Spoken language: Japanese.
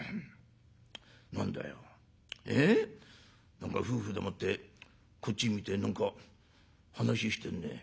何か夫婦でもってこっち見て何か話してるね。